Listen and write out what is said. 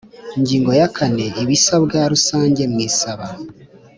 Ingingo ya kane Ibisabwa rusange mu isaba